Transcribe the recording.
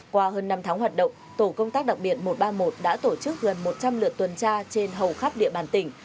qua hơn năm tháng hoạt động tổ công tác đặc biệt một trăm ba mươi một đã tổ chức gần một trăm linh lượt tuần tra trên hầu khắp địa bàn tỉnh